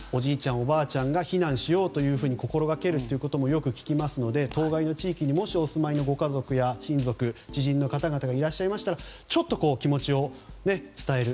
おばあちゃんが避難しようと心がけるということもよく聞きますのでもし当該の地域にお住まいのご家族や親族知人の方がいらっしゃいましたらちょっと気持ちを伝える。